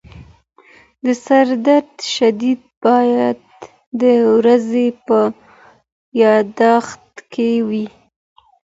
د سردرد شدت باید د ورځې په یادښت کې وي.